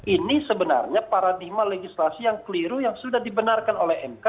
ini sebenarnya paradigma legislasi yang keliru yang sudah dibenarkan oleh mk